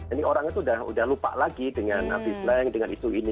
ini orang itu udah lupa lagi dengan abis slang dengan isu ini